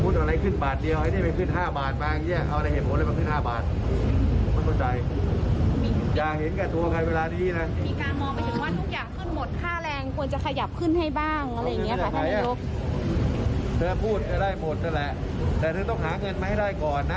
พูดได้หมดนั่นแหละแต่เธอต้องหาเงินมาให้ได้ก่อนนะ